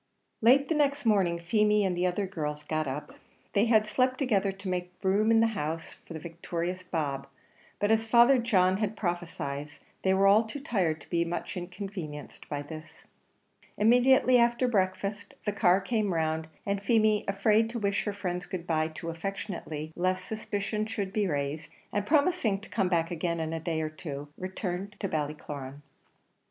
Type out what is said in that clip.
Late the next morning, Feemy and the other girls got up; they had slept together to make room in the house for the victorious Bob, but as Father John had prophesied, they were all too tired to be much inconvenienced by this. Immediately after breakfast the car came round, and Feemy, afraid to wish her friends good bye too affectionately lest suspicion should be raised, and promising to come back again in a day or two, returned to Ballycloran.